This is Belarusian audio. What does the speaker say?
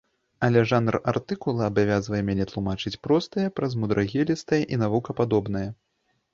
Але жанр артыкула абавязвае мяне тлумачыць простае праз мудрагелістае і навукападобнае.